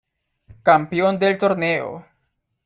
Campeón del torneo.